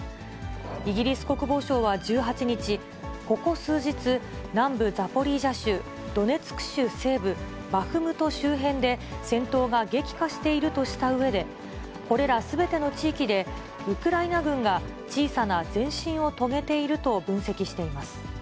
イギリス国防省は１８日、ここ数日、南部ザポリージャ州、ドネツク州西部、バフムト周辺で、戦闘が激化しているとしたうえで、これらすべての地域で、ウクライナ軍が小さな前進を遂げていると分析しています。